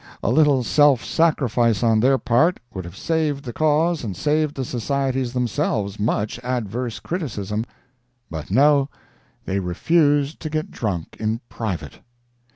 A little self sacrifice on their part would have saved the cause and saved the societies themselves much adverse criticism. But no, they refused to get drunk in private.